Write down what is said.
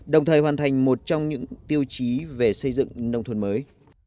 đồng thời hoàn thành một trong những tiêu chí về xây dựng nông thôn mới